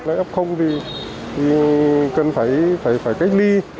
lấy f thì cần phải cách ly